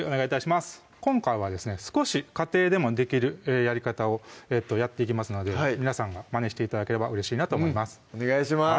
今回はですね少し家庭でもできるやり方をやっていきますので皆さんがまねして頂ければうれしいなと思いますお願いします